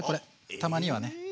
たまにはね。